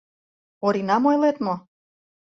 — Оринам ойлет мо?